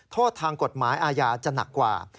โทษทางกฎหมายอาญาจะหนักกว่า